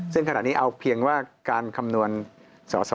ซึ่งขณะนี้เอาเพียงว่าการคำนวณสอสอ